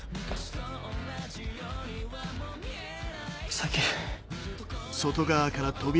咲。